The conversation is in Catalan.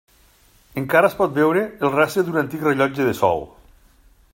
Encara es pot veure el rastre d'un antic rellotge de sol.